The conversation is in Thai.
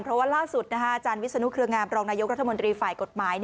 เพราะว่าล่าสุดอาจารย์วิศนุเครืองามรองนายกรัฐมนตรีฝ่ายกฎหมาย